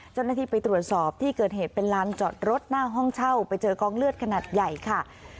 เจ้าหน้าที่ไปตรวจสอบที่เกิดเหตุเป็นลานจอดรถหน้าห้องเช่าไปเจอกองเลือดขนาดใหญ่ค่ะ